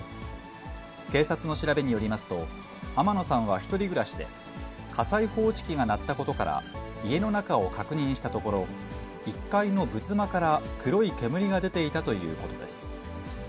警察の調べによりますと、天野さんは１人暮らしで、火災報知器が鳴ったことから、家の中を確認したところ、１階の仏間から黒い煙が出ていたということです。